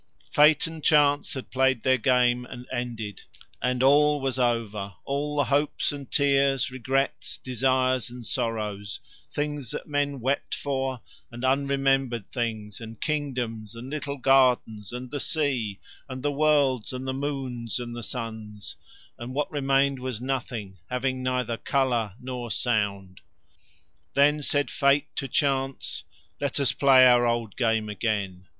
Fate and Chance had played their game and ended, and all was over, all the hopes and tears, regrets, desires and sorrows, things that men wept for and unremembered things, and kingdoms and little gardens and the sea, and the worlds and the moons and the suns; and what remained was nothing, having neither colour nor sound. Then said Fate to Chance: "Let us play our old game again."